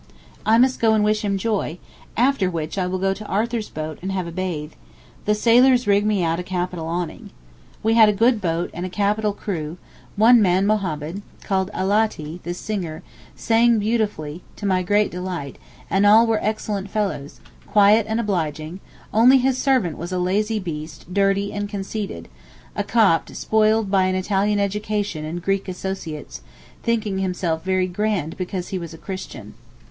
I must go and wish him joy, after which I will go to Arthur's boat and have a bathe; the sailors rig me out a capital awning. We had a good boat, and a capital crew; one man Mahommed, called Alatee (the singer), sang beautifully, to my great delight, and all were excellent fellows, quiet and obliging; only his servant was a lazy beast, dirty and conceited—a Copt, spoiled by an Italian education and Greek associates, thinking himself very grand because he was a Christian.